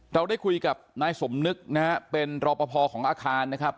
เราได้คุยกับนายสมนึกนะฮะเป็นรอปภของอาคารนะครับ